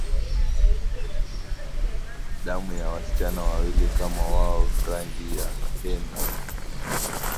damu ya wasichana wawili kama wao rangi ya henna